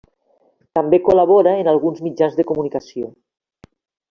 També col·labora en alguns mitjans de comunicació.